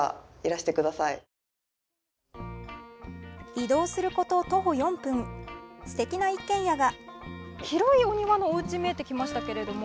移動すること徒歩４分素敵な一軒家が。